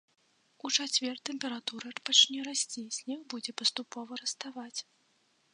У чацвер тэмпература пачне расці, снег будзе паступова раставаць.